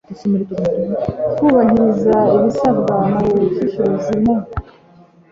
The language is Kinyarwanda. kubahiriza ibisabwa mu bushishozi mu